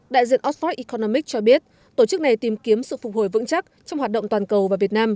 đại diện oxford economic cho biết tổ chức này tìm kiếm sự phục hồi vững chắc trong hoạt động toàn cầu và việt nam